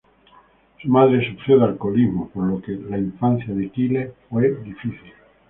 Su madre sufrió de alcoholismo por lo que la infancia de Kyle fue difícil.